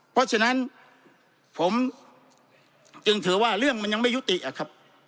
เพราะฉะนั้นผมจึงถือว่าเรื่องมันยังไม่ยุติอะครับ